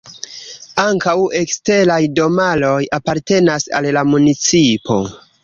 Ankaŭ eksteraj domaroj apartenas al la municipo.